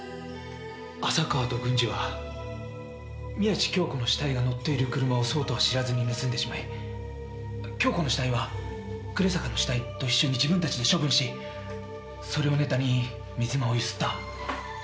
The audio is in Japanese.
浅川と軍司は宮地杏子の死体が乗っている車をそうとは知らずに盗んでしまい杏子の死体は暮坂の死体と一緒に自分たちで処分しそれをネタに水間をゆすった。